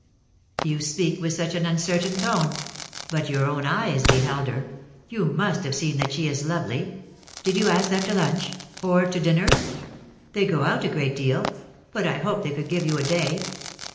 "You speak with such an uncertain tone. But your own eyes beheld her. You must have seen that she is lovely. Did you ask them to lunch, or 164 DEAD LOVE HAS CHAINS. to dinner? They go out a great deal: but I hope they could give you a day."